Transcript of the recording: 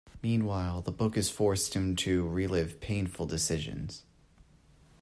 Meanwhile, the book has forced him to relive painful decisions.